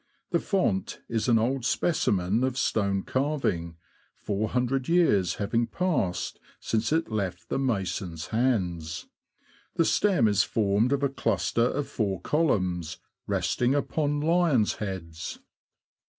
The font is an old specimen of stone carving, 400 years having passed since it left the mason's hands. The stem is formed of a cluster of four columns, resting upon lions' heads.